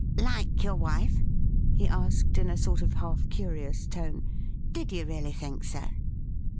' Like your wife ?'' he asked in a sort of half curious tone. ' Did you really think so